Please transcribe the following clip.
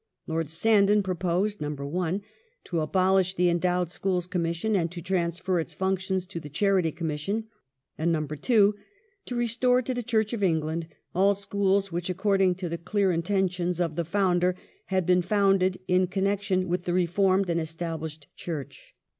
Lord Sandon proposed (1) to abolish the Endowed Schools Commission and to transfer its functions to the Charity Commission ; and (2) to restore to the Church of England all schools which, according to the clear inten tions of the founder, had been founded in connection with the reformed and Established Church.